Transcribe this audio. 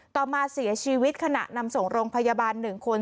ต่อมาเสียชีวิตขณะนำส่งโรงพยาบาล๑คน